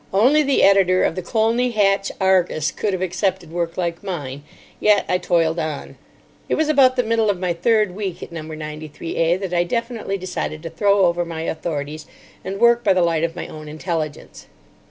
Only the editor of the Colney Hatch Argus could have accepted work like mine. Yet I toiled on. It was about the middle of my third week at No. 93A that I definitely decided to throw over my authorities, and work by the light of my own intelligence.